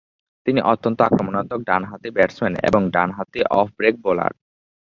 তিনি অত্যন্ত আক্রমণাত্মক ডানহাতি ব্যাটসম্যান এবং ডানহাতি অফ ব্রেক বোলার।